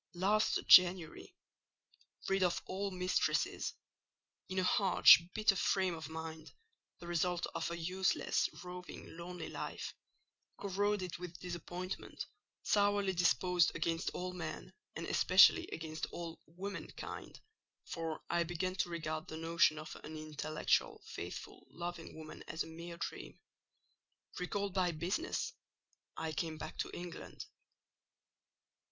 Last January, rid of all mistresses—in a harsh, bitter frame of mind, the result of a useless, roving, lonely life—corroded with disappointment, sourly disposed against all men, and especially against all _woman_kind (for I began to regard the notion of an intellectual, faithful, loving woman as a mere dream), recalled by business, I came back to England.